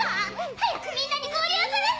早くみんなに合流するさ！